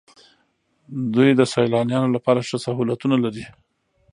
دوی د سیلانیانو لپاره ښه سهولتونه لري.